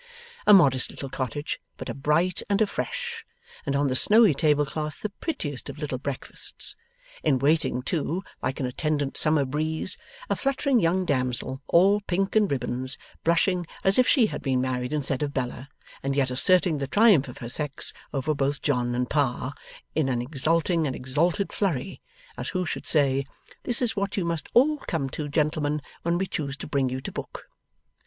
A modest little cottage but a bright and a fresh, and on the snowy tablecloth the prettiest of little breakfasts. In waiting, too, like an attendant summer breeze, a fluttering young damsel, all pink and ribbons, blushing as if she had been married instead of Bella, and yet asserting the triumph of her sex over both John and Pa, in an exulting and exalted flurry: as who should say, 'This is what you must all come to, gentlemen, when we choose to bring you to book.